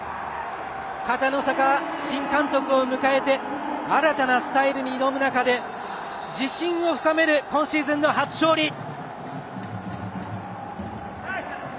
片野坂新監督を迎えて新たなスタイルに挑む中で自信を深める今シーズンの初勝利。